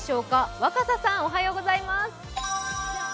若狭さん、おはようございます。